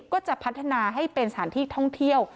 ก็จะพัฒนาให้เป็นสถานที่ท่องเที่ยว